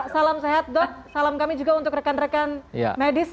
salam sehat dok salam kami juga untuk rekan rekan medis